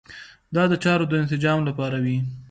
دا د چارو د انسجام لپاره وي.